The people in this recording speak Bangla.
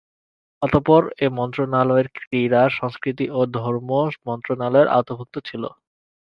অতঃপর এ মন্ত্রণালয়ের ক্রীড়া, সংস্কৃতি ও ধর্ম মন্ত্রণালয়ের আওতাভুক্ত ছিল।